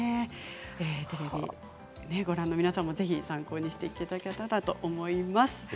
テレビをご覧の皆さんもぜひ参考にしていただけたらと思います。